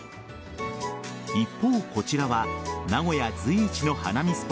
一方、こちらは名古屋随一の花見